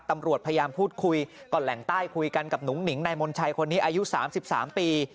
ตำรวจพยายามพูดคุยก่อนแหล่งใต้คุยกันกับหุงหิงนายมนชัยคนนี้อายุ๓๓ปี